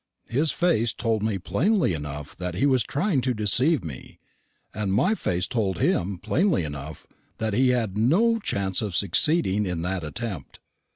His face told me plainly enough that he was trying to deceive me, and my face told him plainly enough that he had no chance of succeeding in that attempt.